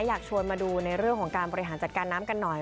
อยากชวนมาดูในเรื่องของการบริหารจัดการน้ำกันหน่อย